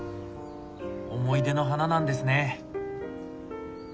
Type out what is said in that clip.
思い出の花なんですね。